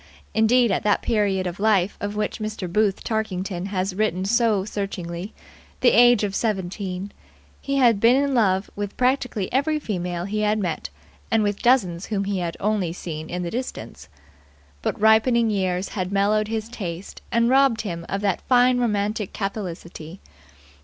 Indeed, at that period of life of which Mr. Booth Tarkington has written so searchingly the age of seventeen he had been in love with practically every female he met and with dozens whom he had only seen in the distance; but ripening years had mellowed his taste and robbed him of that fine romantic catholicity.